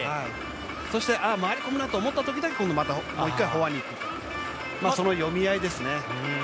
そして、回り込むなと思ったときだけ、もう一回フォアに行く、その読み合いですね。